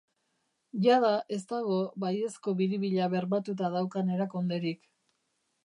Jada ez dago baiezko biribila bermatuta daukan erakunderik.